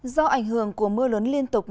do ảnh hưởng của mưa lớn liên tục